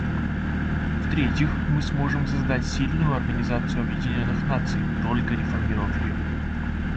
В-третьих, мы сможем создать сильную Организацию Объединенных Наций, только реформировав ее.